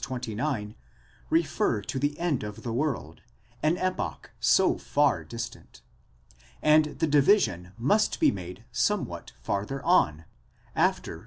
29, refer to the end of the world, an epoch so far distant ; and the division must be made somewhat farther on, after v.